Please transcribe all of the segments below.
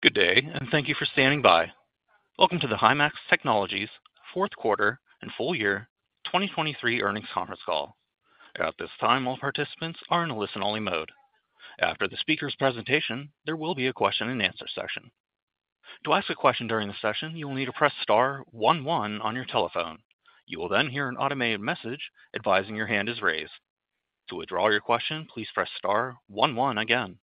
Good day, and thank you for standing by. Welcome to the Himax Technologies fourth quarter and full year 2023 earnings conference call. At this time, all participants are in a listen-only mode. After the speaker's presentation, there will be a question and answer session. To ask a question during the session, you will need to press star one one on your telephone. You will then hear an automated message advising your hand is raised. To withdraw your question, please press star one one again.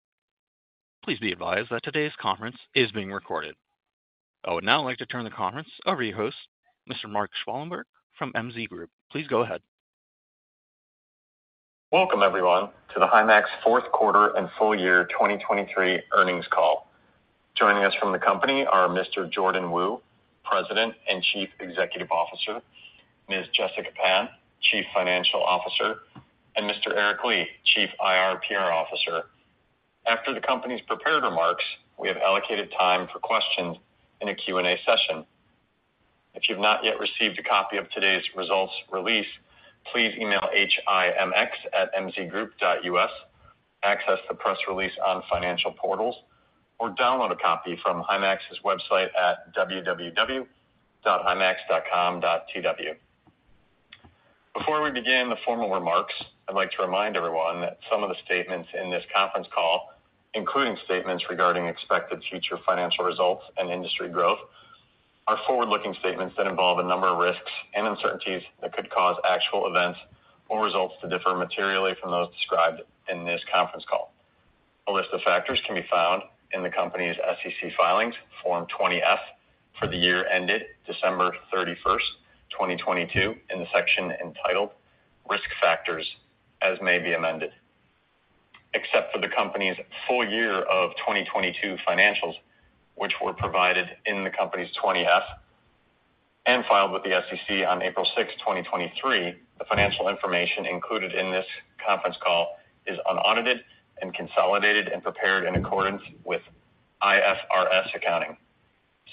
Please be advised that today's conference is being recorded. I would now like to turn the conference over to your host, Mr. Mark Schwalenberg, from MZ Group. Please go ahead. Welcome, everyone, to the Himax fourth quarter and full year 2023 earnings call. Joining us from the company are Mr. Jordan Wu, President and Chief Executive Officer, Ms. Jessica Pan, Chief Financial Officer, and Mr. Eric Li, Chief IR/PR Officer. After the company's prepared remarks, we have allocated time for questions in a Q&A session. If you've not yet received a copy of today's results release, please email himx@mzgroup.us, access the press release on financial portals, or download a copy from Himax's website at www.himax.com.tw. Before we begin the formal remarks, I'd like to remind everyone that some of the statements in this conference call, including statements regarding expected future financial results and industry growth, are forward-looking statements that involve a number of risks and uncertainties that could cause actual events or results to differ materially from those described in this conference call. A list of factors can be found in the company's SEC filings, Form 20-F, for the year ended December 31, 2022, in the section entitled Risk Factors, as may be amended. Except for the company's full year of 2022 financials, which were provided in the company's 20-F and filed with the SEC on April 6, 2023, the financial information included in this conference call is unaudited and consolidated, and prepared in accordance with IFRS accounting.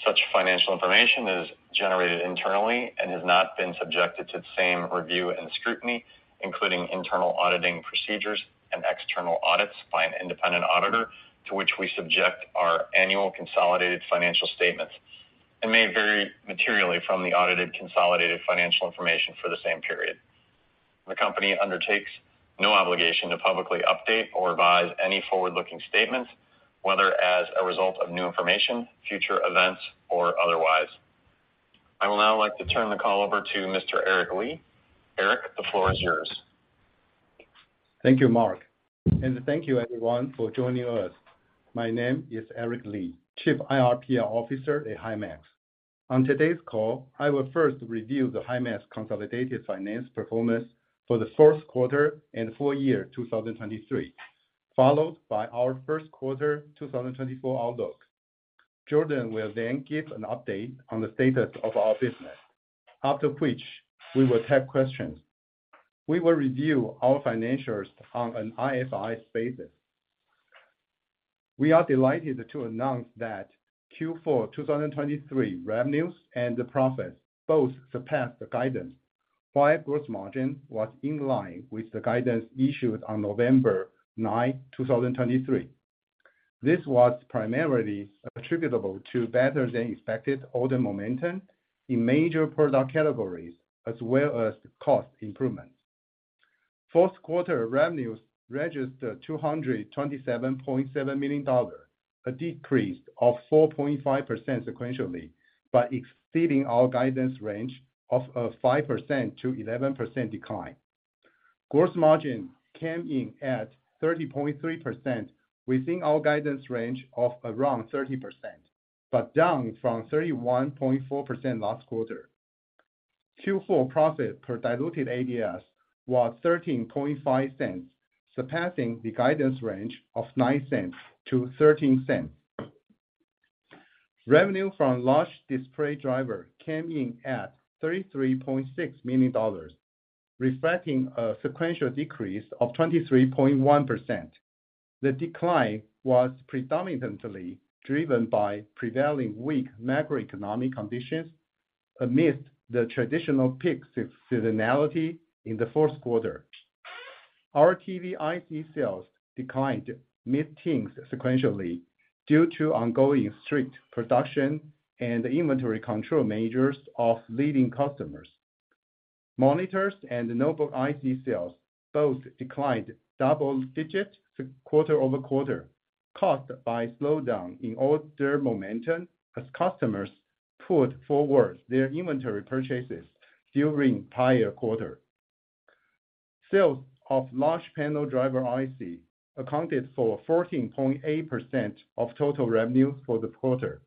Such financial information is generated internally and has not been subjected to the same review and scrutiny, including internal auditing procedures and external audits by an independent auditor, to which we subject our annual consolidated financial statements, and may vary materially from the audited consolidated financial information for the same period. The company undertakes no obligation to publicly update or revise any forward-looking statements, whether as a result of new information, future events, or otherwise. I would now like to turn the call over to Mr. Eric Li. Eric, the floor is yours. Thank you, Mark, and thank you everyone for joining us. My name is Eric Li, Chief IR/PR Officer at Himax. On today's call, I will first review the Himax consolidated financial performance for the fourth quarter and full year 2023, followed by our first quarter 2024 outlook. Jordan will then give an update on the status of our business, after which we will take questions. We will review our financials on an IFRS basis. We are delighted to announce that Q4 2023 revenues and the profits both surpassed the guidance, while gross margin was in line with the guidance issued on November 9, 2023. This was primarily attributable to better than expected order momentum in major product categories, as well as cost improvements. Fourth quarter revenues registered $227.7 million, a decrease of 4.5% sequentially, but exceeding our guidance range of a 5%-11% decline. Gross margin came in at 30.3%, within our guidance range of around 30%, but down from 31.4% last quarter. Q4 profit per diluted ADS was $0.135, surpassing the guidance range of $0.09-$0.13. Revenue from large display driver came in at $33.6 million, reflecting a sequential decrease of 23.1%. The decline was predominantly driven by prevailing weak macroeconomic conditions amidst the traditional peak seasonality in the fourth quarter. Our TV IC sales declined mid-teens sequentially due to ongoing strict production and inventory control measures of leading customers. Monitors and notebook IC sales both declined double digits quarter-over-quarter, caused by slowdown in order momentum as customers pushed forward their inventory purchases during the entire quarter. Sales of large panel driver IC accounted for 14.8% of total revenue for the quarter,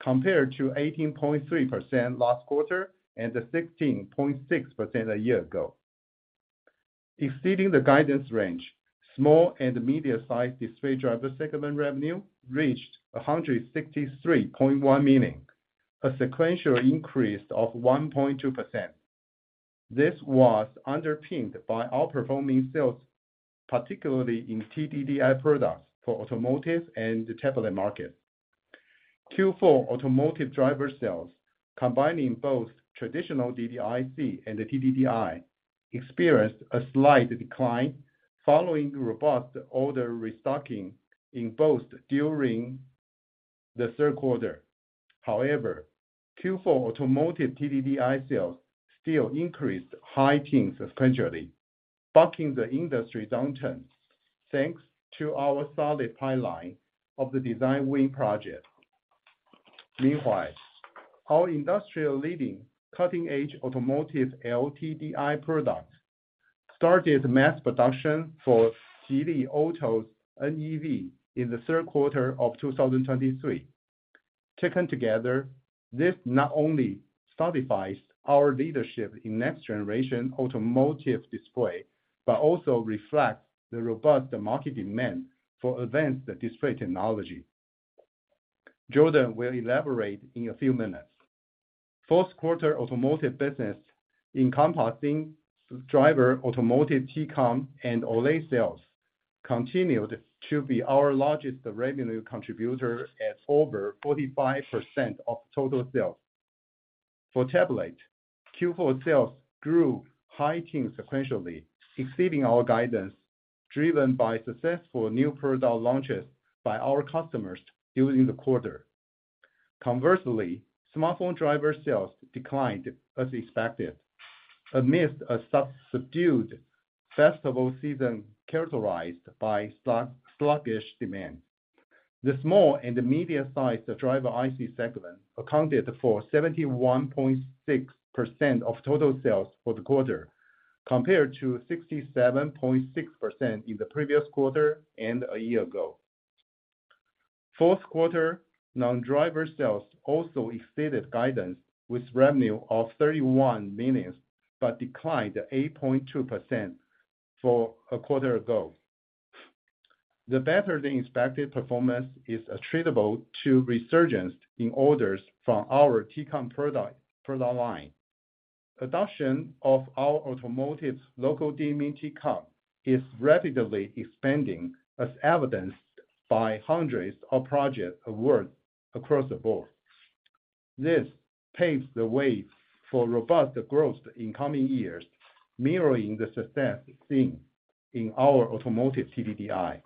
compared to 18.3% last quarter and 16.6% a year ago. Exceeding the guidance range, small and medium-sized display driver segment revenue reached $163.1 million, a sequential increase of 1.2%. This was underpinned by outperforming sales, particularly in TDDI products for automotive and the tablet market. Q4 automotive driver sales, combining both traditional DDI IC and the TDDI, experienced a slight decline following robust order restocking in both during the third quarter. However, Q4 automotive TDDI sales still increased high teens sequentially, bucking the industry downturn, thanks to our solid pipeline of the design-win project. Meanwhile, our industry-leading, cutting-edge automotive LTDI product started mass production for Changan Automobile NEV in the third quarter of 2023. Taken together, this not only solidifies our leadership in next-generation automotive display but also reflects, the robust market demand for advanced display technology. Jordan will elaborate in a few minutes. Fourth quarter automotive business, encompassing driver, automotive T-Con, and OLED sales, continued to be our largest revenue contributor at over 45% of total sales. For tablet, Q4 sales grew high teens sequentially, exceeding our guidance, driven by successful new product launches by our customers during the quarter. Conversely, smartphone driver sales declined as expected, amidst a subdued festival season characterized by sluggish demand. The small and medium-sized driver IC segment accounted for 71.6% of total sales for the quarter, compared to 67.6% in the previous quarter and a year ago. Fourth quarter, non-driver sales also exceeded guidance, with revenue of $31 million, but declined to 8.2% for a quarter ago. The better-than-expected performance is attributable to resurgence in orders from our T-Con product line. Adoption of our automotive local dimming T-Con is rapidly expanding, as evidenced by hundreds of project awards across the board. This paves the way for robust growth in coming years, mirroring the success seen in our automotive TDDI.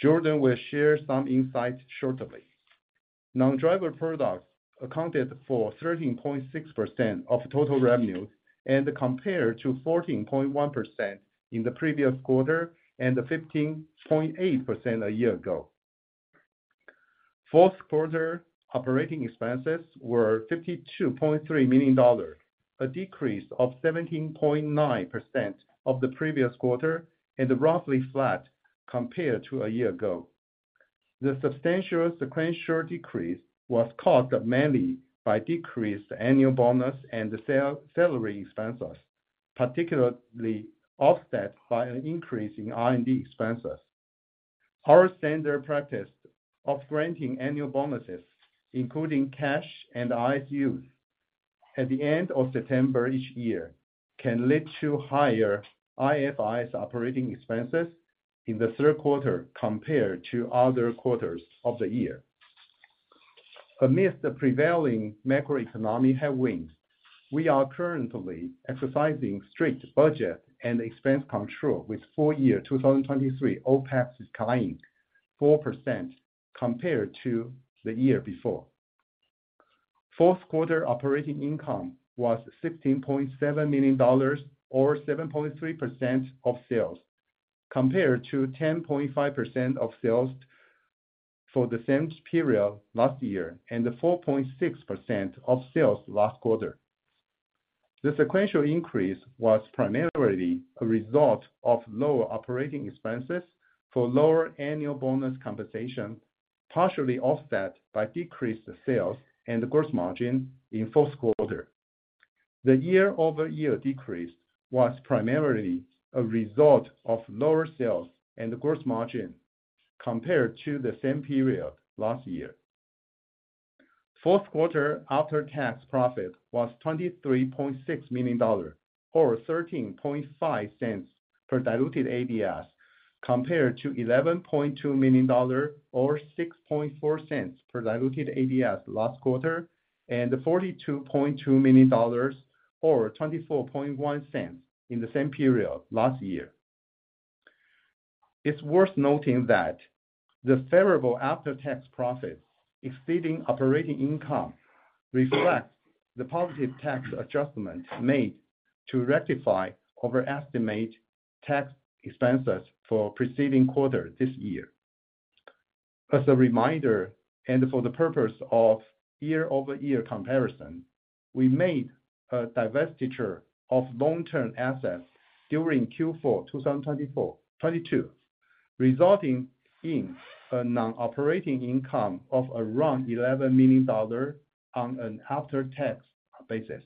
Jordan will share some insights shortly. Non-driver products accounted for 13.6% of total revenue, and compared to 14.1% in the previous quarter, and 15.8% a year ago. Fourth quarter operating expenses were $52.3 million, a decrease of 17.9% of the previous quarter, and roughly flat compared to a year ago. The substantial sequential decrease was caused mainly by decreased annual bonus and the salary expenses, partially offset by an increase in R&D expenses. Our standard practice of granting annual bonuses, including cash and RSUs, at the end of September each year, can lead to higher OpEx in the third quarter compared to other quarters of the year. Amidst the prevailing macroeconomic headwinds, we are currently exercising strict budget and expense control, with full year 2023 OpEx declining 4% compared to the year before. Fourth quarter operating income was $16.7 million, or 7.3% of sales, compared to 10.5% of sales for the same period last year, and 4.6% of sales last quarter. The sequential increase was primarily a result of lower operating expenses for lower annual bonus compensation, partially offset by decreased sales and gross margin in fourth quarter. The year-over-year decrease was primarily a result of lower sales and gross margin compared to the same period last year. Fourth quarter after-tax profit was $23.6 million, or $0.135 per diluted ADS, compared to $11.2 million, or $0.064 per diluted ADS last quarter, and $42.2 million, or $0.241 cents in the same period last year. It's worth noting that the favorable after-tax profit exceeding operating income reflects the positive tax adjustments made to rectify overestimate tax expenses for preceding quarters this year. As a reminder, and for the purpose of year-over-year comparison, we made a divestiture of long-term assets during Q4 2022, resulting in a non-operating income of around $11 million on an after-tax basis.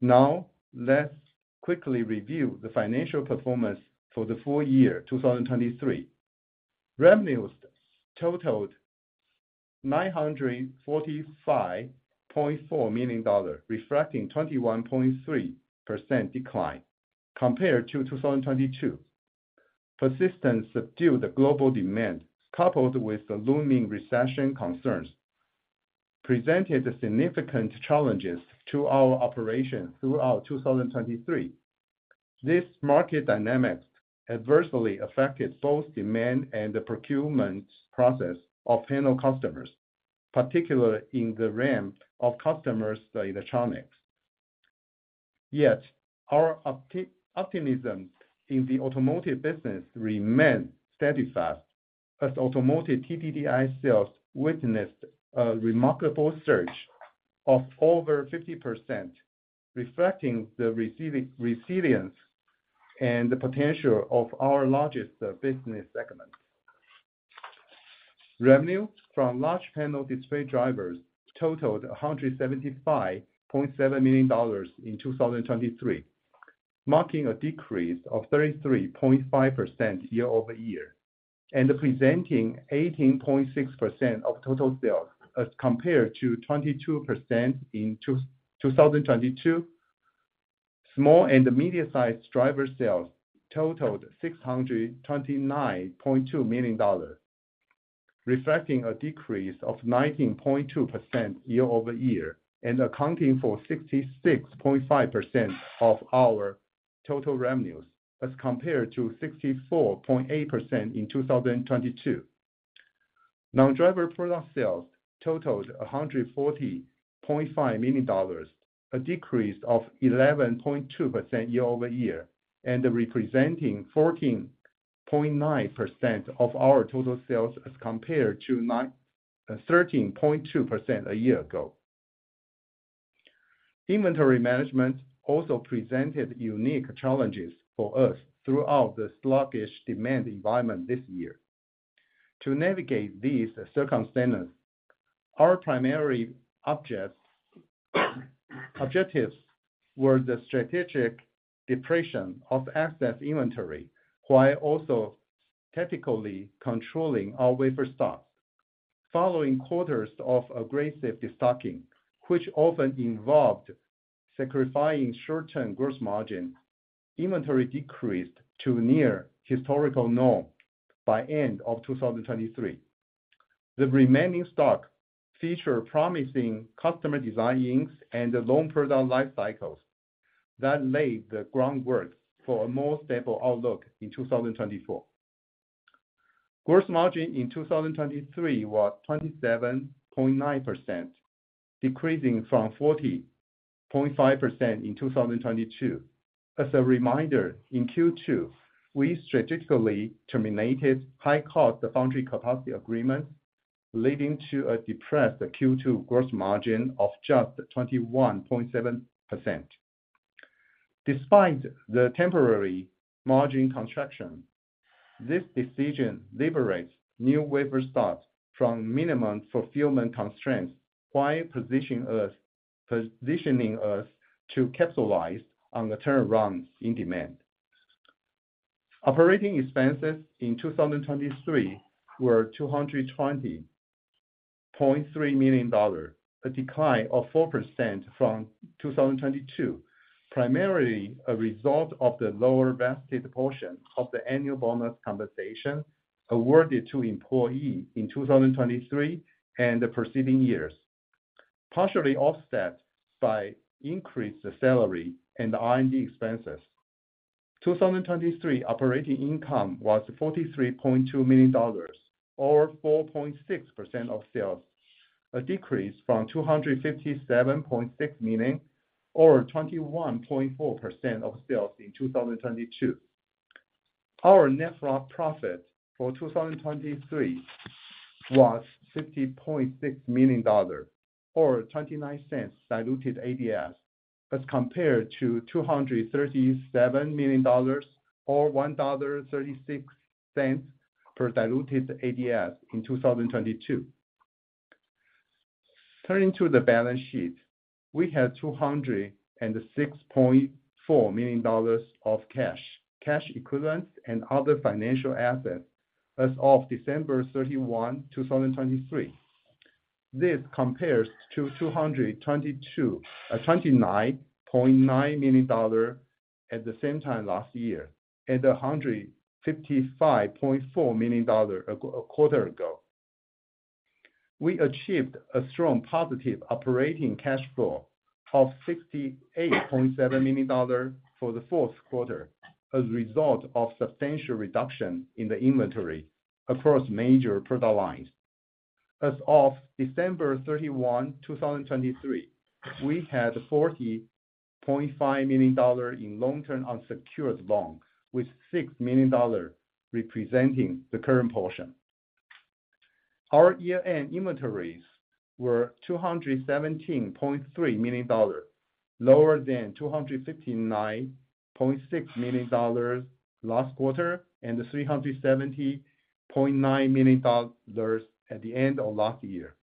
Now, let's quickly review the financial performance for the full year 2023. Revenues totaled $945.4 million, reflecting 21.3% decline compared to 2022. Persistent subdued global demand, coupled with the looming recession concerns, presented significant challenges to our operations throughout 2023. This market dynamics adversely affected both demand and the procurement process of panel customers, particularly in the realm of customers electronics. Yet, our optimism in the automotive business remains steadfast, as automotive TDDI sales witnessed a remarkable surge of over 50%, reflecting the resilience and the potential of our largest business segment. Revenue from large panel display drivers totaled $175.7 million in 2023, marking a decrease of 33.5% year-over-year, and presenting 18.6% of total sales as compared to 22% in 2022. Small and medium-sized driver sales totaled $629.2 million, reflecting a decrease of 19.2% year-over-year and accounting for 66.5% of our total revenues, as compared to 64.8% in 2022. Non-driver product sales totaled $140.5 million, a decrease of 11.2% year-over-year, and representing 14.9% of our total sales, as compared to 13.2% a year ago. Inventory management also presented unique challenges for us throughout the sluggish demand environment this year. To navigate these circumstances, our primary objectives were the strategic depletion of excess inventory, while also tactically controlling our wafer stock. Following quarters of aggressive destocking, which often involved sacrificing short-term gross margin, inventory decreased to near historical norm by end of 2023. The remaining stock feature promising customer design wins and long product life cycles that laid the groundwork for a more stable outlook in 2024. Gross margin in 2023 was 27.9%, decreasing from 40.5% in 2022. As a reminder, in Q2, we strategically terminated high-cost foundry capacity agreements, leading to a depressed Q2 gross margin of just 21.7%. Despite the temporary margin contraction, this decision liberates new wafer starts from minimum fulfillment constraints, while positioning us to capitalize on the turnaround in demand. Operating expenses in 2023 were $220.3 million, a decline of 4% from 2022. Primarily, a result of the lower vested portion of the annual bonus compensation awarded to employees in 2023 and the preceding years, partially offset by increased salary and R&D expenses. 2023 operating income was $43.2 million, or 4.6% of sales, a decrease from $257.6 million, or 21.4% of sales in 2022. Our net profit for 2023 was $50.6 million, or $0.29 diluted ADS, as compared to $237 million, or $1.36 per diluted ADS in 2022. Turning to the balance sheet, we had $206.4 million of cash, cash equivalents, and other financial assets as of December 31, 2023. This compares to $29.9 million at the same time last year, and $155.4 million a quarter ago. We achieved a strong positive operating cash flow of $68.7 million for the fourth quarter, as a result of substantial reduction in the inventory across major product lines. As of December 31, 2023, we had $40.5 million in long-term unsecured loans, with $6 million representing the current portion. Our year-end inventories were $217.3 million, lower than $259.6 million last quarter, and $370.9 million at the end of last year.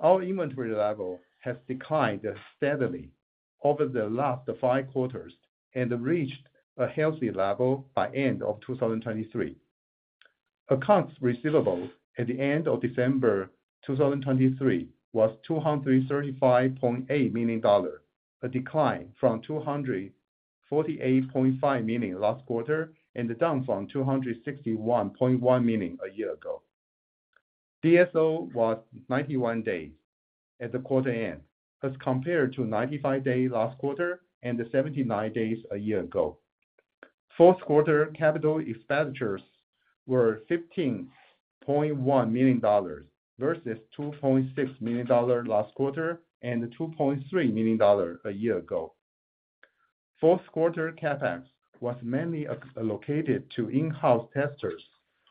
Our inventory level has declined steadily over the last five quarters and reached a healthy level by end of 2023. Accounts receivable at the end of December 2023 was $235.8 million, a decline from $248.5 million last quarter, and down from $261.1 million a year ago. DSO was 91 days at the quarter end, as compared to 95 days last quarter, and 79 days a year ago. Fourth quarter capital expenditures were $15.1 million, versus $2.6 million last quarter, and $2.3 million a year ago. Fourth quarter CapEx was mainly allocated to in-house testers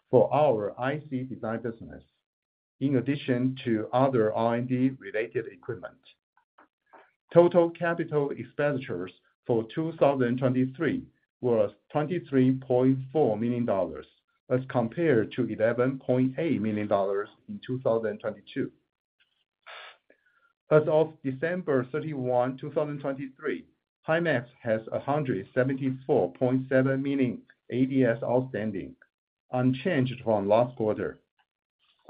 for our IC design business, in addition to other R&D related equipment. Total capital expenditures for 2023 were $23.4 million, as compared to $11.8 million in 2022. As of December 31, 2023, Himax has 174.7 million ADS outstanding, unchanged from last quarter.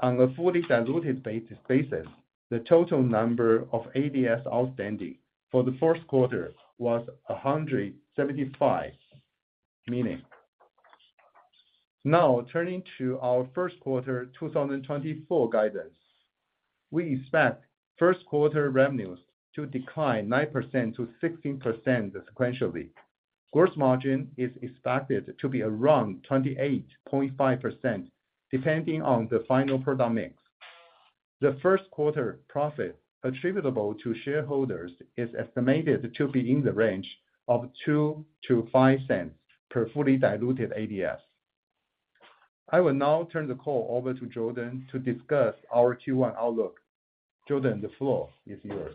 On a fully diluted basis, the total number of ADS outstanding for the first quarter was 175 million. Now, turning to our first quarter 2024 guidance. We expect first quarter revenues to decline 9%-16% sequentially. Gross margin is expected to be around 28.5%, depending on the final product mix. The first quarter profit attributable to shareholders is estimated to be in the range of $0.02-$0.05 per fully diluted ADS. I will now turn the call over to Jordan to discuss our Q1 outlook. Jordan, the floor is yours.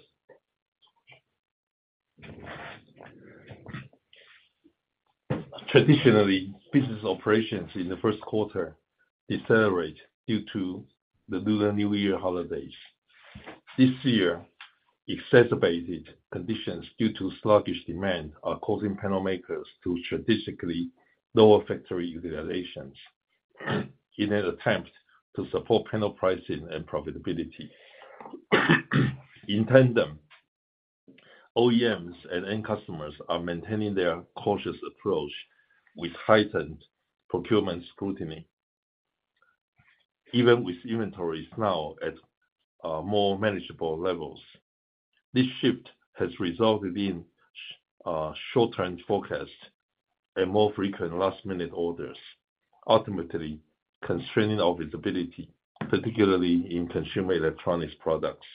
Traditionally, business operations in the first quarter decelerate due to the Lunar New Year holidays. This year, exacerbated conditions due to sluggish demand are causing panel makers to strategically lower factory utilizations in an attempt to support panel pricing and profitability. In tandem, OEMs and end customers are maintaining their cautious approach with heightened procurement scrutiny, even with inventories now at more manageable levels. This shift has resulted in short-term forecasts and more frequent last-minute orders, ultimately constraining our visibility, particularly in consumer electronics products.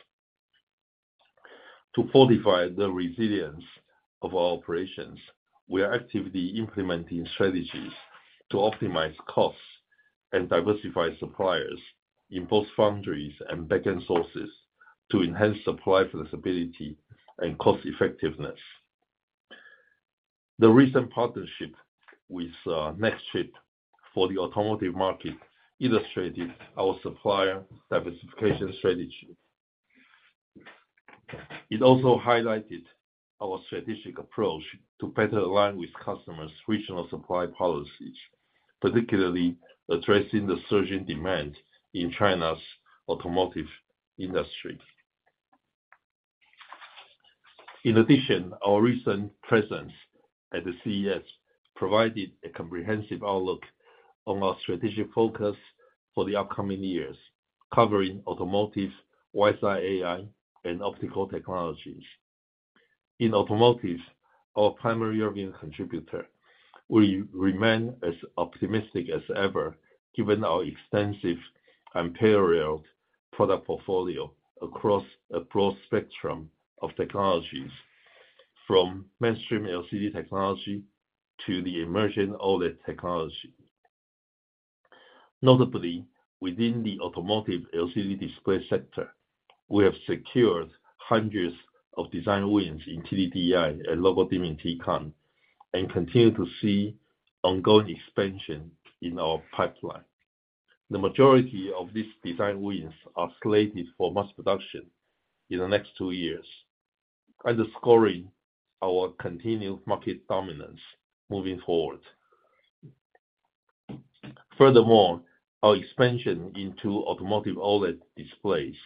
To fortify the resilience of our operations, we are actively implementing strategies to optimize costs and diversify suppliers in both foundries and back-end sources to enhance supply flexibility and cost effectiveness. The recent partnership with Nextchip for the automotive market illustrated our supplier diversification strategy. It also highlighted our strategic approach to better align with customers' regional supply policies, particularly addressing the surging demand in China's automotive industry. In addition, our recent presence at the CES provided a comprehensive outlook on our strategic focus for the upcoming years, covering automotives, WiseEye AI, and optical technologies. In automotives, our primary revenue contributor, we remain as optimistic as ever, given our extensive and unparalleled product portfolio across a broad spectrum of technologies, from mainstream LCD technology to the emerging OLED technology. Notably, within the automotive LCD display sector, we have secured hundreds of design wins in TDDI and local dimming T-Con, and continue to see ongoing expansion in our pipeline. The majority of these design wins are slated for mass production in the next two years, underscoring our continued market dominance moving forward. Furthermore, our expansion into automotive OLED displays,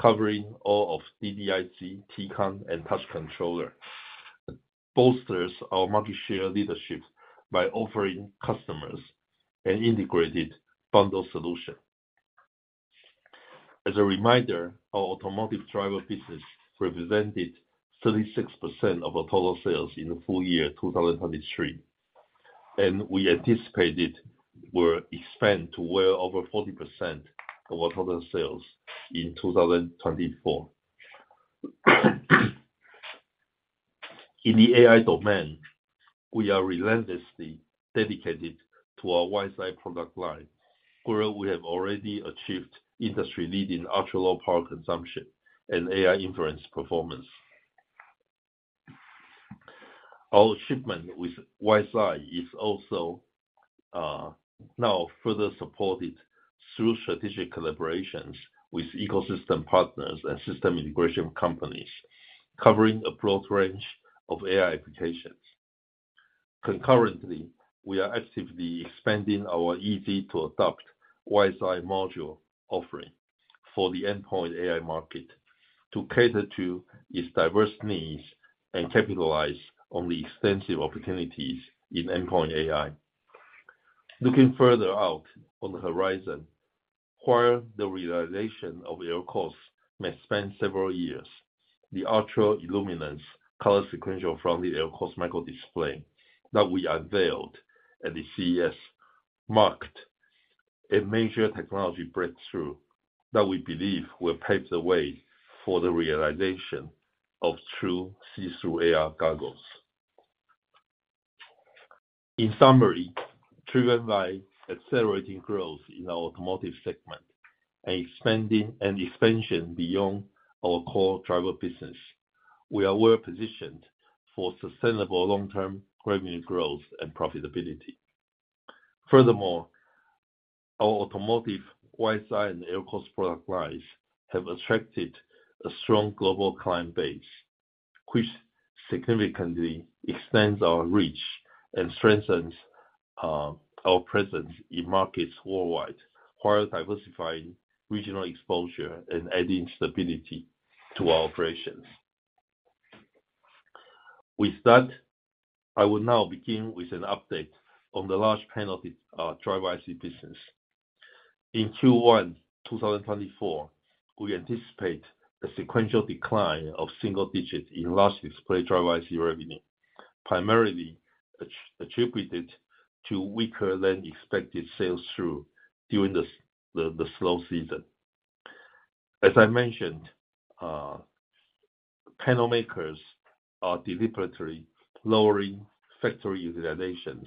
covering all of DDIC, T-Con, and touch controller, bolsters our market share leadership by offering customers an integrated bundle solution. As a reminder, our automotive driver business represented 36% of our total sales in the full year 2023, and we anticipated will expand to well over 40% of our total sales in 2024. In the AI domain, we are relentlessly dedicated to our WiseEye product line, where we have already achieved industry-leading ultra-low power consumption and AI inference performance. Our shipment with WiseEye is also now further supported through strategic collaborations with ecosystem partners and system integration companies, covering a broad range of AI applications. Concurrently, we are actively expanding our easy-to-adopt WiseEye module offering for the endpoint AI market to cater to its diverse needs and capitalize on the extensive opportunities in endpoint AI. Looking further out on the horizon, while the realization of LCOS may span several years, the ultra-illuminance color sequential Front-Lit LCOS microdisplay that we unveiled at the CES marked a major technology breakthrough that we believe will pave the way for the realization of true see-through AR goggles. In summary, driven by accelerating growth in our automotive segment and expanding, and expansion beyond our core driver business, we are well positioned for sustainable long-term revenue growth and profitability. Furthermore, our automotive, WiseEye, and LCOS product lines have attracted a strong global client base, which significantly extends our reach and strengthens our presence in markets worldwide, while diversifying regional exposure and adding stability to our operations. With that, I will now begin with an update on the large-panel driver IC business. In Q1 2024, we anticipate a sequential decline of single digits in large display driver IC revenue, primarily attributed to weaker than expected sales during the slow season. As I mentioned, panel makers are deliberately lowering factory utilizations,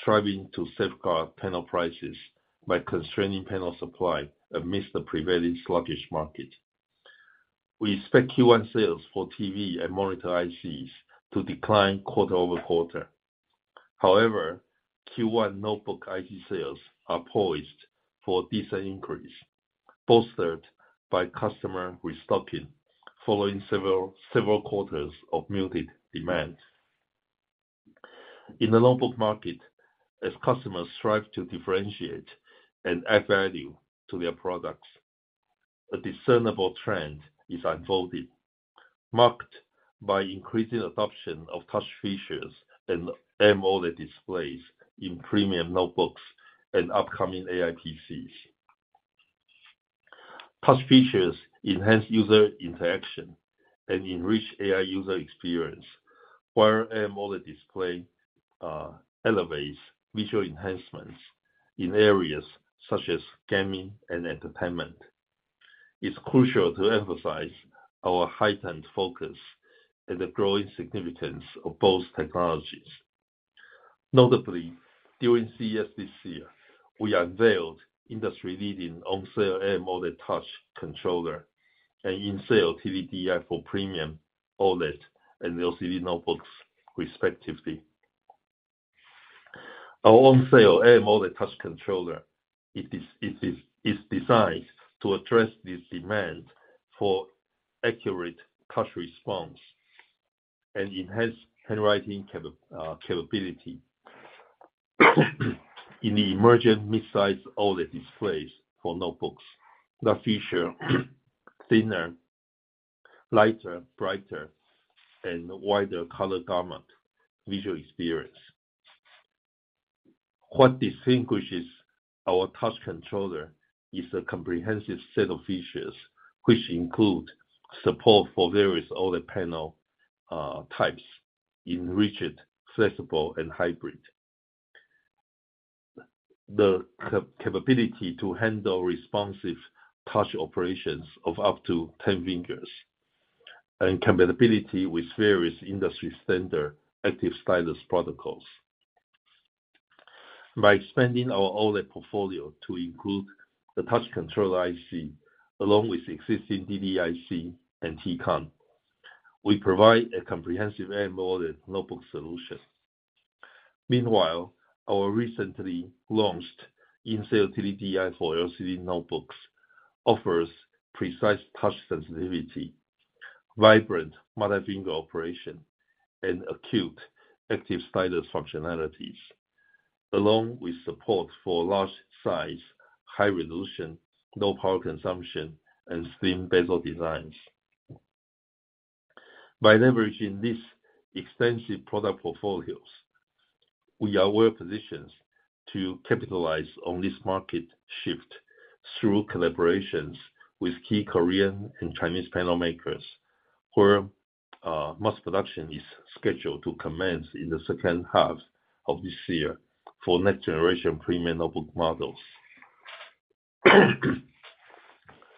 striving to safeguard panel prices by constraining panel supply amidst the prevailing sluggish market. We expect Q1 sales for TV and monitor ICs to decline quarter-over-quarter. However, Q1 notebook IC sales are poised for a decent increase, bolstered by customer restocking, following several quarters of muted demand. In the notebook market, as customers strive to differentiate and add value to their products, a discernible trend is unfolding, marked by increasing adoption of touch features and AMOLED displays in premium notebooks and upcoming AI PCs. Touch features enhance user interaction and enrich AI user experience, while AMOLED display elevates visual enhancements in areas such as gaming and entertainment. It's crucial to emphasize our heightened focus and the growing significance of both technologies. Notably, during CES this year, we unveiled industry-leading on-cell AMOLED touch controller and in-cell TDDI for premium OLED and LCD notebooks, respectively. Our on-cell AMOLED touch controller is designed to address this demand for accurate touch response and enhance handwriting capability. In the emergent mid-size OLED displays for notebooks, that feature thinner, lighter, brighter, and wider color gamut visual experience. What distinguishes our touch controller is a comprehensive set of features, which include support for various OLED panel types in rigid, flexible, and hybrid. The capability to handle responsive touch operations of up to 10 fingers, and compatibility with various industry standard active stylus protocols. By expanding our OLED portfolio to include the touch control IC, along with existing DDIC and T-Con, we provide a comprehensive AMOLED notebook solution. Meanwhile, our recently launched in-cell TDDI for LCD notebooks offers precise touch sensitivity, vibrant multi-finger operation, and acute active stylus functionalities, along with support for large size, high resolution, low power consumption, and slim bezel designs. By leveraging these extensive product portfolios, we are well positioned to capitalize on this market shift through collaborations with key Korean and Chinese panel makers, where mass production is scheduled to commence in the second half of this year for next generation premium notebook models.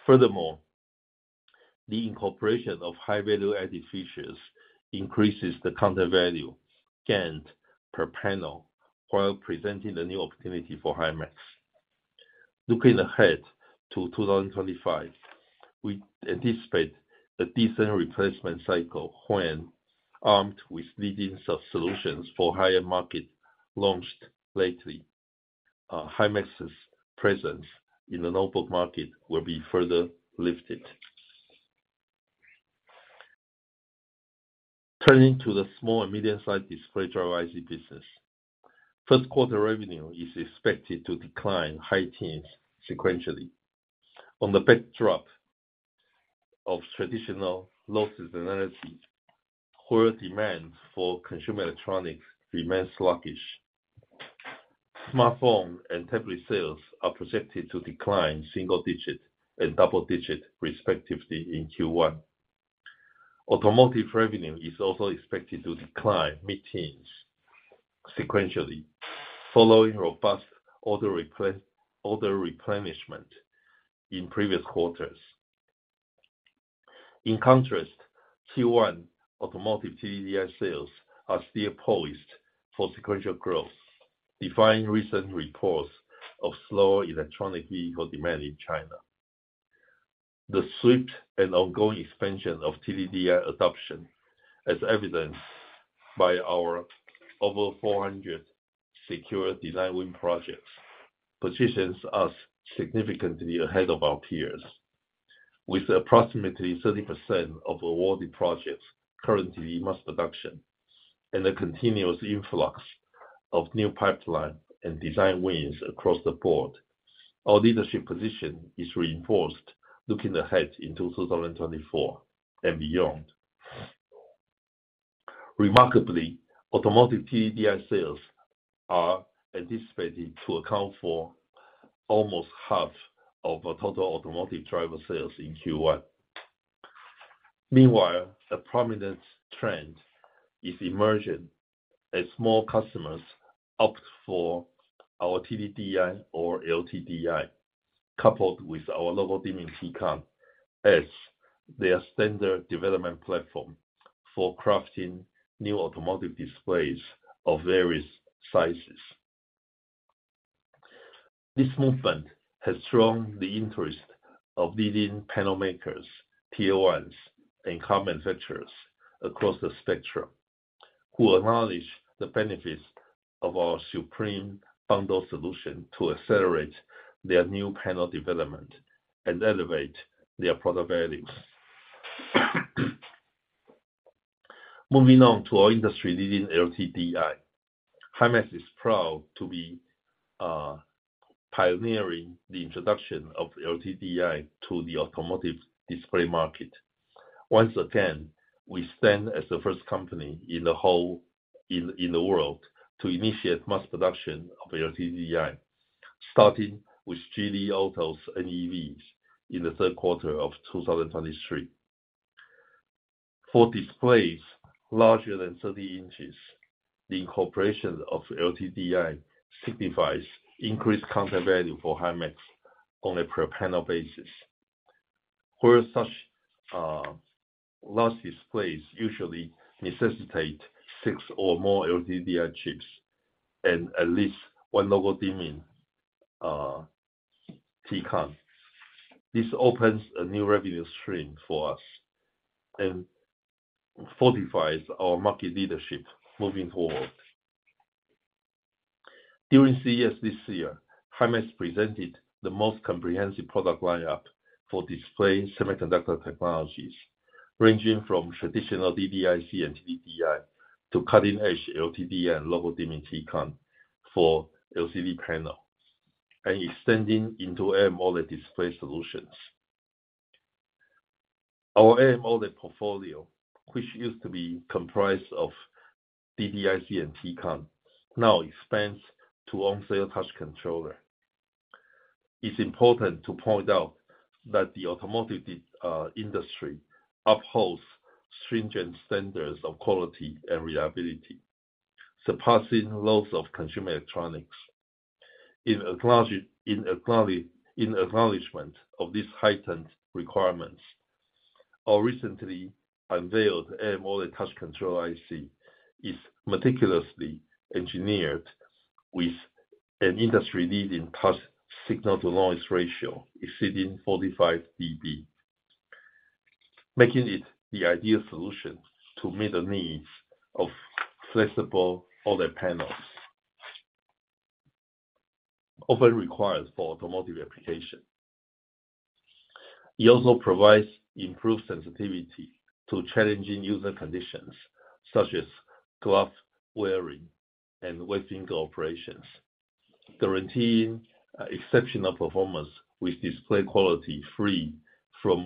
Furthermore, the incorporation of high-value-added features increases the counter value gained per panel, while presenting a new opportunity for Himax. Looking ahead to 2025, we anticipate a decent replacement cycle when armed with leading solutions for higher market launched lately. Himax's presence in the notebook market will be further lifted. Turning to the small and medium-sized display driver IC business, first quarter revenue is expected to decline high teens sequentially. On the backdrop of traditional low seasonality, where demand for consumer electronics remains sluggish, smartphone and tablet sales are projected to decline single-digit and double-digit, respectively, in Q1. Automotive revenue is also expected to decline mid-teens sequentially, following robust order replenishment in previous quarters. In contrast, Q1 automotive TDDI sales are still poised for sequential growth, defying recent reports of slower electric vehicle demand in China. The swift and ongoing expansion of TDDI adoption, as evidenced by our over 400 secure design win projects, positions us significantly ahead of our peers. With approximately 30% of awarded projects currently in mass production, and a continuous influx of new pipeline and design wins across the board, our leadership position is reinforced looking ahead into 2024 and beyond. Remarkably, automotive TDDI sales are anticipated to account for almost half of our total automotive driver sales in Q1. Meanwhile, a prominent trend is emerging as more customers opt for our TDDI or LTDI, coupled with our local dimming T-Con, as their standard development platform for crafting new automotive displays of various sizes. This movement has drawn the interest of leading panel makers, tier ones, and car manufacturers across the spectrum, who acknowledge the benefits of our supreme bundle solution to accelerate their new panel development and elevate their product values. Moving on to our industry-leading LTDI, Himax is proud to be pioneering the introduction of LTDI to the automotive display market. Once again, we stand as the first company in the whole world to initiate mass production of LTDI, starting with Changan Automobile's NEVs in the third quarter of 2023. For displays larger than 30 inches, the incorporation of LTDI signifies increased content value for Himax on a per-panel basis. Whereas such large displays usually necessitate six or more LTDI chips and at least one local dimming T-Con. This opens a new revenue stream for us and fortifies our market leadership moving forward. During CES this year, Himax presented the most comprehensive product lineup for display semiconductor technologies, ranging from traditional DDIC and TDDI to cutting-edge LTDI and local dimming T-Con for LCD panel, and extending into AMOLED display solutions. Our AMOLED portfolio, which used to be comprised of DDIC and T-Con, now expands to on-cell touch controller. It's important to point out that the automotive industry upholds stringent standards of quality and reliability, surpassing those of consumer electronics. In acknowledgment of these heightened requirements, our recently unveiled AMOLED touch control IC is meticulously engineered with an industry-leading touch signal-to-noise ratio exceeding 45 dB, making it the ideal solution to meet the needs of flexible AMOLED panels, often required for automotive application. It also provides improved sensitivity to challenging user conditions, such as glove wearing and wet finger operations, guaranteeing exceptional performance with display quality free from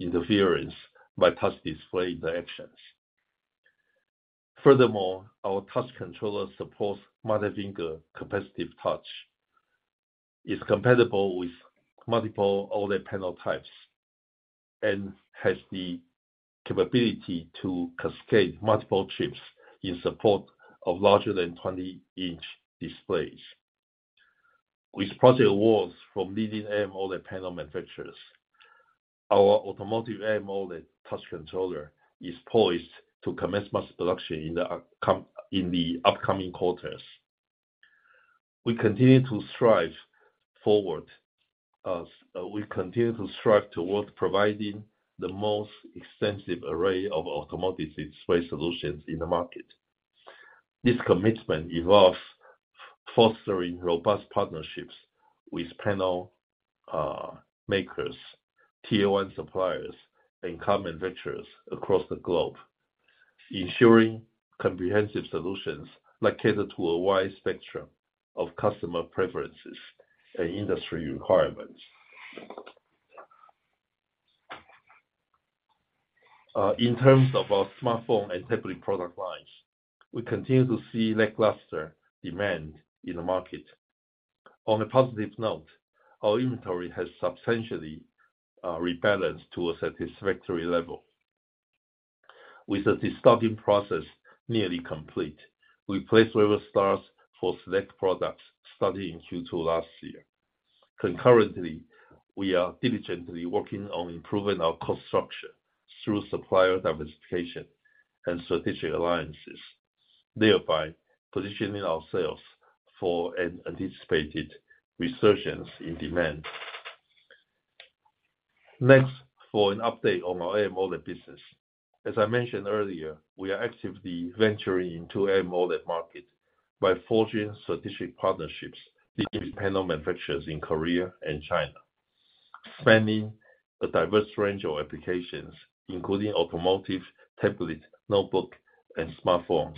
interference by touch display interactions. Furthermore, our touch controller supports multi-finger capacitive touch. It's compatible with multiple AMOLED panel types, and has the capability to cascade multiple chips in support of larger than 20-inch displays. With project awards from leading AMOLED panel manufacturers, our automotive AMOLED touch controller is poised to commence mass production in the upcoming quarters. We continue to strive forward as we continue to strive towards providing the most extensive array of automotive display solutions in the market. This commitment involves fostering robust partnerships with panel makers, tier one suppliers, and joint ventures across the globe, ensuring comprehensive solutions that cater to a wide spectrum of customer preferences and industry requirements. In terms of our smartphone and tablet product lines, we continue to see lackluster demand in the market. On a positive note, our inventory has substantially rebalanced to a satisfactory level. With the destocking process nearly complete, we placed reversals for select products starting in Q2 last year. Concurrently, we are diligently working on improving our cost structure through supplier diversification and strategic alliances, thereby positioning ourselves for an anticipated resurgence in demand. Next, for an update on our AMOLED business. As I mentioned earlier, we are actively venturing into AMOLED market by forging strategic partnerships with panel manufacturers in Korea and China, spanning a diverse range of applications, including automotive, tablet, notebook, and smartphones.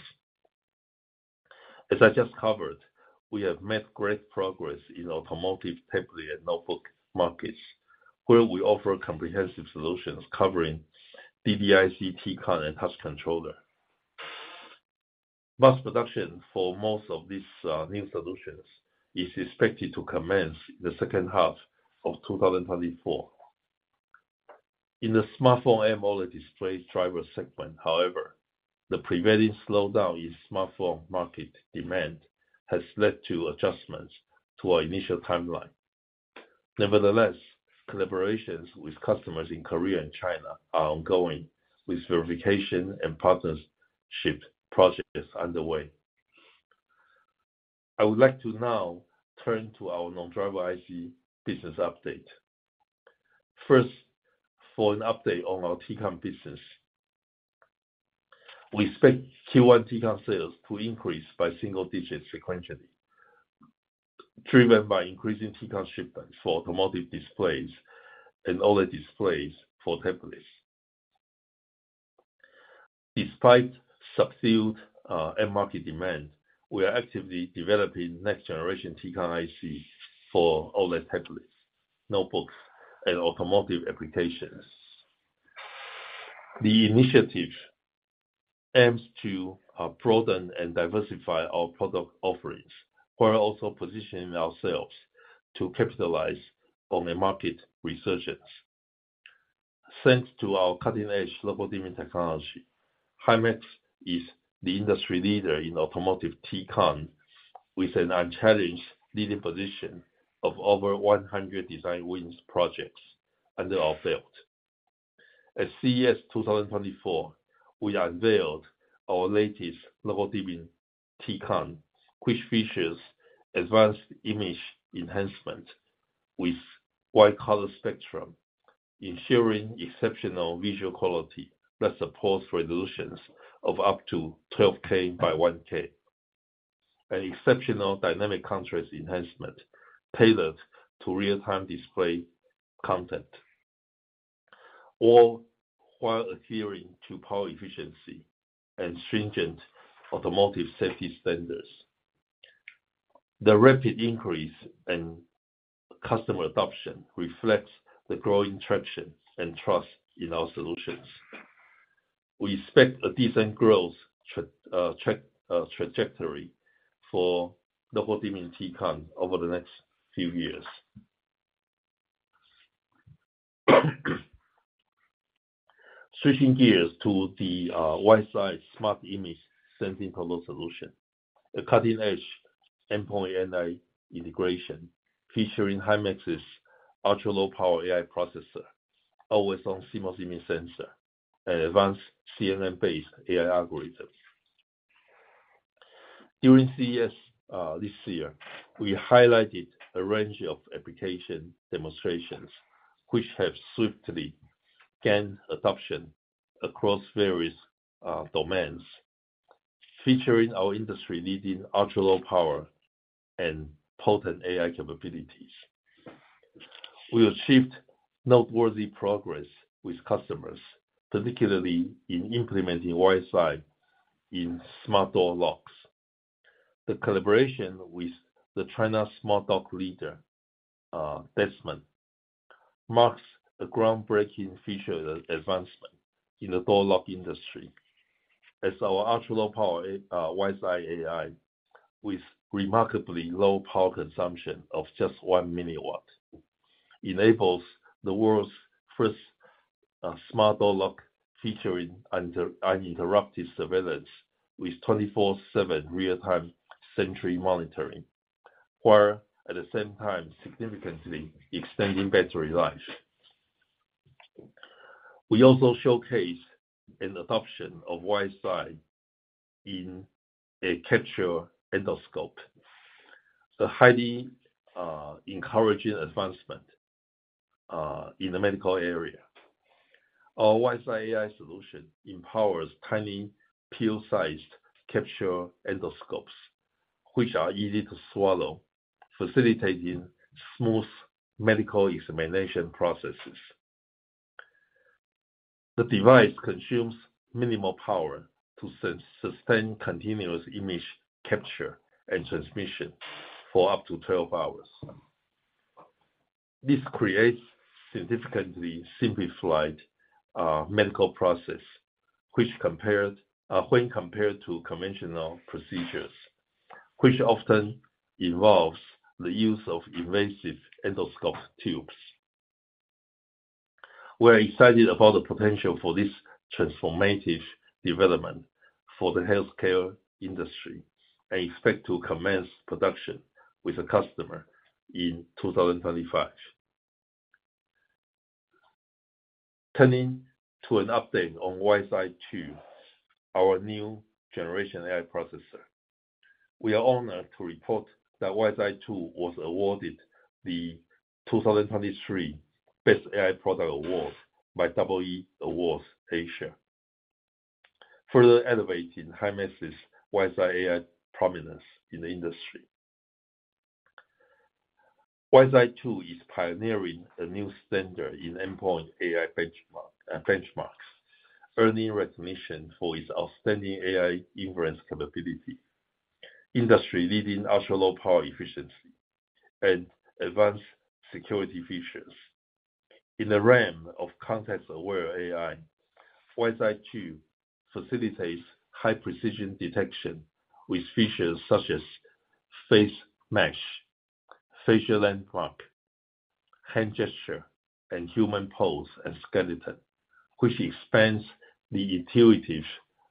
As I just covered, we have made great progress in automotive, tablet, and notebook markets, where we offer comprehensive solutions covering DDIC, T-CON, and touch controller. Mass production for most of these new solutions is expected to commence in the second half of 2024. In the smartphone AMOLED display driver segment, however, the prevailing slowdown in smartphone market demand has led to adjustments to our initial timeline. Nevertheless, collaborations with customers in Korea and China are ongoing, with verification and partnership projects underway. I would like to now turn to our non-driver IC business update. First, for an update on our T-CON business. We expect Q1 T-CON sales to increase by single digits sequentially, driven by increasing T-CON shipments for automotive displays and other displays for tablets. Despite subdued end market demand, we are actively developing next generation T-CON IC for all our tablets, notebooks, and automotive applications. The initiative aims to broaden and diversify our product offerings, while also positioning ourselves to capitalize on the market resurgence. Thanks to our cutting-edge local dimming technology, Himax is the industry leader in automotive T-CON, with an unchallenged leading position of over 100 design wins projects, in the field. At CES 2024, we unveiled our latest local dimming T-Con, which features advanced image enhancement with wide color spectrum, ensuring exceptional visual quality that supports resolutions of up to 12K by 1K, and exceptional dynamic contrast enhancement tailored to real-time display content, all while adhering to power efficiency and stringent automotive safety standards. The rapid increase in customer adoption reflects the growing traction and trust in our solutions. We expect a decent growth trajectory for local dimming T-Con over the next few years. Switching gears to the WiseEye smart image sensing color solution, a cutting-edge endpoint AI integration featuring Himax's ultra-low power AI processor, always-on CMOS image sensor, and advanced CNN-based AI algorithms. During CES this year, we highlighted a range of application demonstrations, which have swiftly gained adoption across various domains, featuring our industry-leading ultra-low power and potent AI capabilities. We achieved noteworthy progress with customers, particularly in implementing WiseEye in smart door locks. The collaboration with the China smart lock leader, Dessmann, marks a groundbreaking feature advancement in the door lock industry. As our ultra-low power WiseEye AI, with remarkably low power consumption of just 1 milliwatt, enables the world's first smart door lock featuring uninterrupted surveillance with 24/7 real-time sentry monitoring, while at the same time, significantly extending battery life. We also showcase an adoption of WiseEye in a capsule endoscope, a highly encouraging advancement in the medical area. Our WiseEye AI solution empowers tiny pill-sized capsule endoscopes, which are easy to swallow, facilitating smooth medical examination processes. The device consumes minimal power to sustain continuous image capture and transmission for up to 12 hours. This creates significantly simplified medical process, which compared, when compared to conventional procedures, which often involves the use of invasive endoscope tubes. We're excited about the potential for this transformative development for the healthcare industry, and expect to commence production with a customer in 2025. Turning to an update on WiseEye2, our new generation AI processor. We are honored to report that WiseEye2 was awarded the 2023 Best AI Product Award by EE Awards Asia, further elevating Himax's WiseEye AI prominence in the industry. WiseEye2 is pioneering a new standard in endpoint AI benchmark, benchmarks, earning recognition for its outstanding AI inference capability, industry-leading ultra-low power efficiency, and advanced security features. In the realm of context-aware AI, WiseEye2 facilitates high-precision detection with features such as face mesh, facial landmark, hand gesture, and human pose and skeleton, which expands the intuitive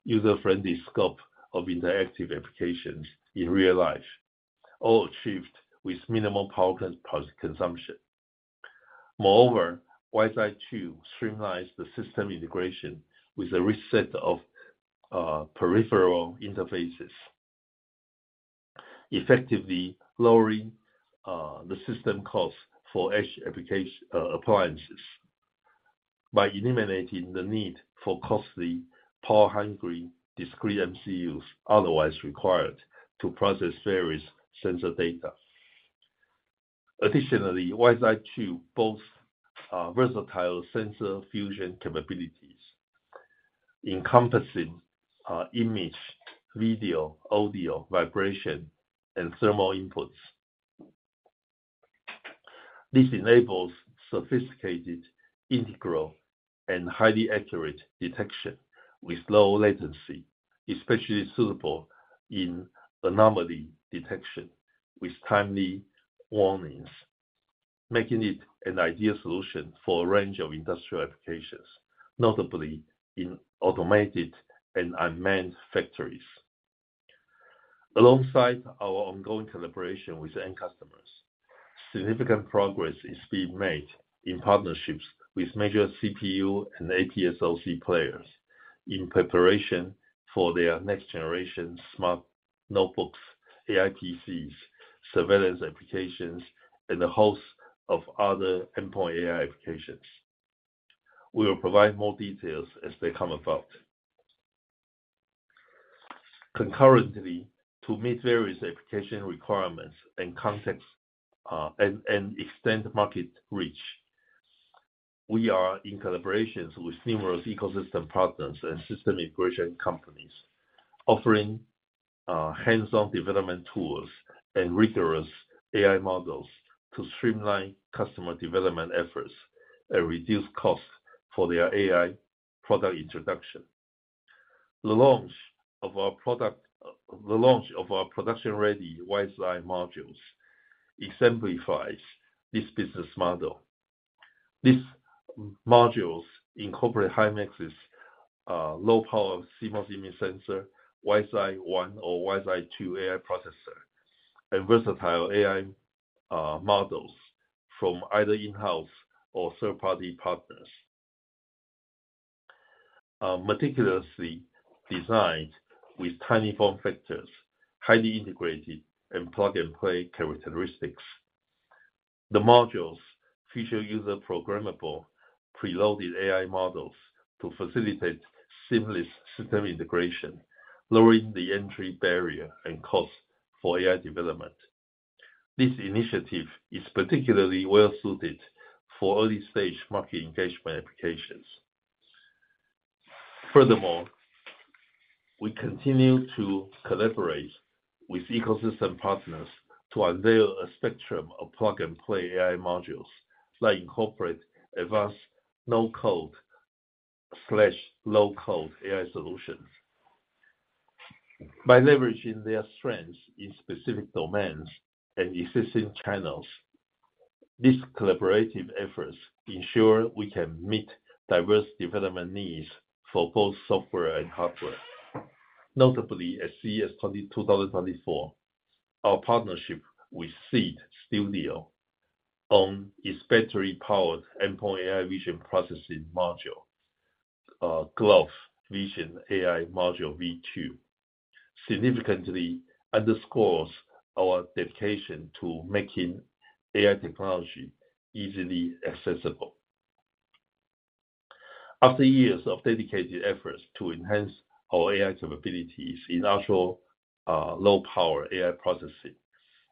user-friendly scope of interactive applications in real life, all achieved with minimal power consumption. Moreover, WiseEye2 streamlines the system integration with a set of peripheral interfaces, effectively lowering the system cost for edge appliances. By eliminating the need for costly, power-hungry, discrete MCUs, otherwise required to process various sensor data. Additionally, WiseEye2 boasts versatile sensor fusion capabilities, encompassing image, video, audio, vibration, and thermal inputs. This enables sophisticated, integral, and highly accurate detection with low latency, especially suitable in anomaly detection, with timely warnings, making it an ideal solution for a range of industrial applications, notably in automated and unmanned factories. Alongside our ongoing collaboration with the end customers, significant progress is being made in partnerships with major CPU and AP SoC players in preparation for their next-generation smart notebooks, AI PCs, surveillance applications, and a host of other endpoint AI applications. We will provide more details as they come about. Concurrently, to meet various application requirements and context, and extend market reach, we are in collaborations with numerous ecosystem partners and system integration companies, offering hands-on development tools and rigorous AI models to streamline customer development efforts, and reduce costs for their AI product introduction. The launch of our product, the launch of our production-ready WiseEye modules exemplifies this business model. These modules incorporate Himax's low-power CMOS image sensor, WiseEye1 or WiseEye2 AI processor, and versatile AI models from either in-house or third-party partners. Meticulously designed with tiny form factors, highly integrated, and plug-and-play characteristics. The modules feature user-programmable, preloaded AI models to facilitate seamless system integration, lowering the entry barrier and cost for AI development. This initiative is particularly well-suited for early-stage market engagement applications. Furthermore, we continue to collaborate with ecosystem partners to unveil a spectrum of plug-and-play AI modules that incorporate advanced no-code/low-code AI solutions. By leveraging their strengths in specific domains and existing channels, these collaborative efforts ensure we can meet diverse development needs for both software and hardware. Notably, at CES 2024, our partnership with Seeed Studio on its battery-powered endpoint AI vision processing module, Grove - Vision AI Module V2, significantly underscores our dedication to making AI technology easily accessible. After years of dedicated efforts to enhance our AI capabilities in ultra-low power AI processing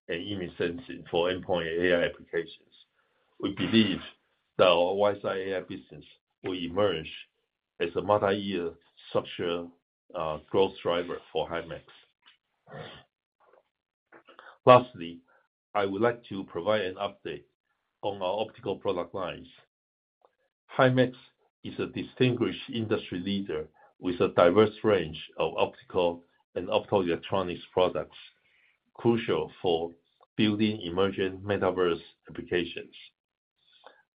and image sensing for endpoint AI applications, we believe that our WiseEye AI business will emerge as a multi-year structural growth driver for Himax. Lastly, I would like to provide an update on our optical product lines. Himax is a distinguished industry leader with a diverse range of optical and optoelectronics products, crucial for building emerging metaverse applications.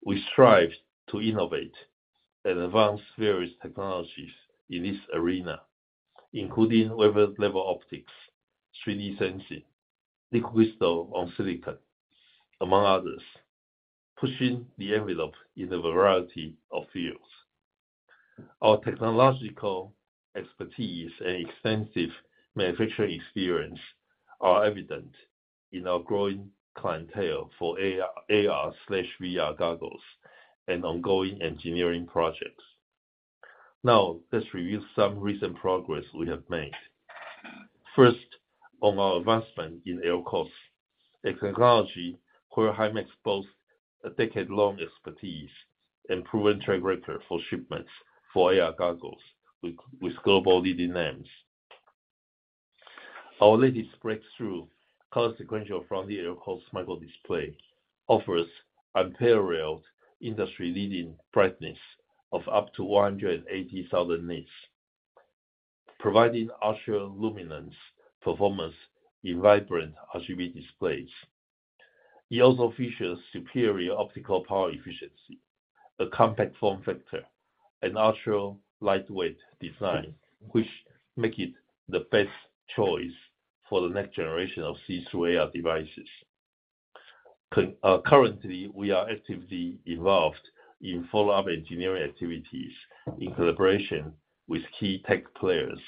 We strive to innovate and advance various technologies in this arena, including wafer level optics, 3D sensing, liquid crystal on silicon, among others, pushing the envelope in a variety of fields. Our technological expertise and extensive manufacturing experience are evident in our growing clientele for AR, AR/VR goggles and ongoing engineering projects. Now, let's review some recent progress we have made. First, on our investment in LCOS, a technology where Himax boasts a decade-long expertise and proven track record for shipments for AR goggles with global leading names. Our latest breakthrough, color sequential Front-Lit LCOS microdisplay, offers unparalleled industry-leading brightness of up to 180,000 nits, providing ultra-luminance performance in vibrant RGB displays. It also features superior optical power efficiency, a compact form factor, and ultra-lightweight design, which make it the best choice for the next generation of see-through AR devices. Currently, we are actively involved in follow-up engineering activities in collaboration with key tech players,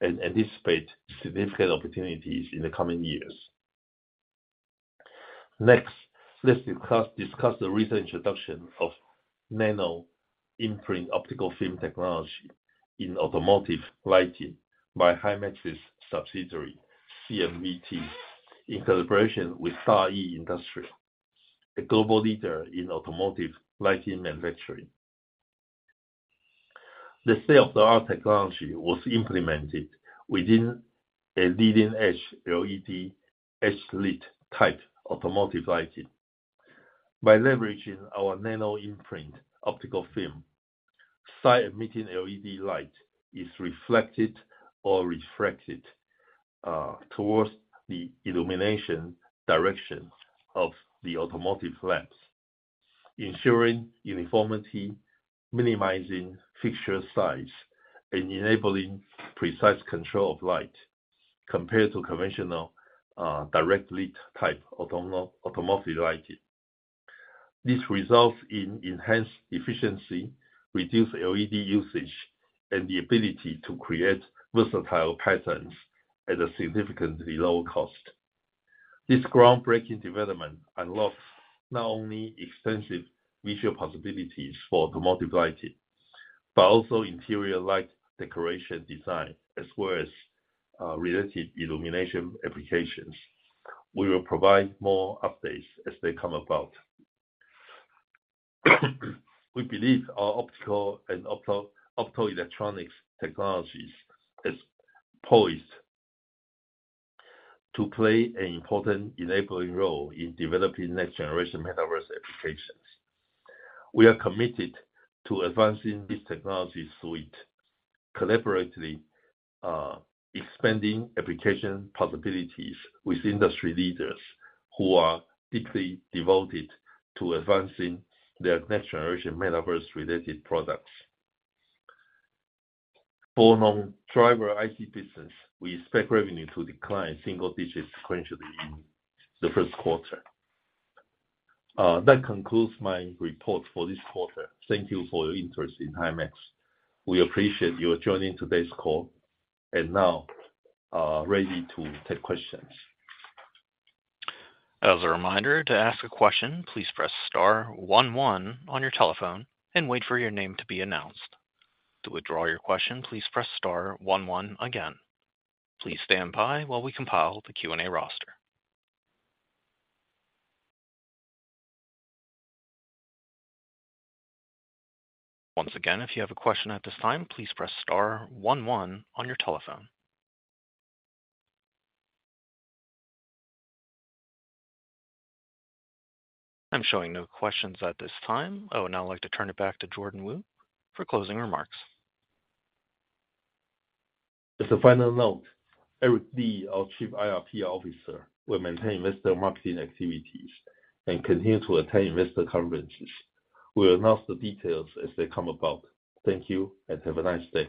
and anticipate significant opportunities in the coming years. Next, let's discuss the recent introduction of nano imprint optical film technology in automotive lighting by Himax's subsidiary, CMVT, in collaboration with Seoyon, a global leader in automotive lighting manufacturing. The state-of-the-art technology was implemented within a leading-edge LED edge lit type automotive lighting. By leveraging our nano imprint optical film, side-emitting LED light is reflected or refracted towards the illumination direction of the automotive lamps, ensuring uniformity, minimizing fixture size, and enabling precise control of light compared to conventional direct lit type automotive lighting. This results in enhanced efficiency, reduced LED usage, and the ability to create versatile patterns at a significantly lower cost. This groundbreaking development unlocks not only extensive visual possibilities for automotive lighting, but also interior light decoration design, as well as related illumination applications. We will provide more updates as they come about. We believe our optical and optoelectronics technologies is poised to play an important enabling role in developing next-generation metaverse applications. We are committed to advancing this technology suite, collaboratively, expanding application possibilities with industry leaders who are deeply devoted to advancing their next-generation metaverse-related products. For non-driver IC business, we expect revenue to decline single digits sequentially in the first quarter. That concludes my report for this quarter. Thank you for your interest in Himax. We appreciate you joining today's call, and now, ready to take questions. As a reminder, to ask a question, please press star one one on your telephone and wait for your name to be announced. To withdraw your question, please press star one one again. Please stand by while we compile the Q&A roster. Once again, if you have a question at this time, please press star one one on your telephone. I'm showing no questions at this time. I would now like to turn it back to Jordan Wu for closing remarks. As a final note, Eric Li, our Chief IR/PR Officer, will maintain investor marketing activities and continue to attend investor conferences. We'll announce the details as they come about. Thank you, and have a nice day.